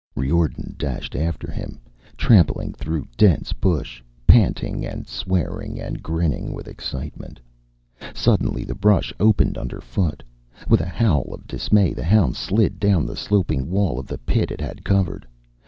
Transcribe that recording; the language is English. Riordan dashed after him, trampling through dense bush, panting and swearing and grinning with excitement. Suddenly the brush opened underfoot. With a howl of dismay, the hound slid down the sloping wall of the pit it had covered.